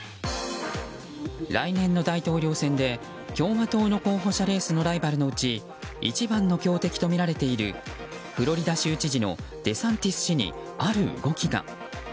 来年の大統領選で共和党の候補者レースのライバルのうち一番の強敵とみられるフロリダ州知事のデサンティス氏に、ある動きが。